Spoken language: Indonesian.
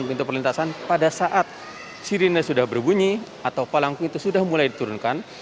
pintu perlintasan pada saat sirine sudah berbunyi atau palangkung itu sudah mulai diturunkan